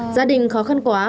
gia đình khó khăn quá